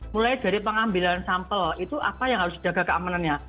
mulai dari pengambilan sampel itu apa yang harus dijaga keamanannya